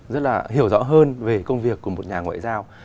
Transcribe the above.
rất là hiểu rõ hơn về công việc của một nhà ngoại giao